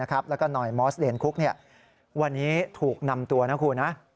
แล้วก็หน่อยมอสเลนคุกวันนี้ถูกนำตัวนะคุณนะ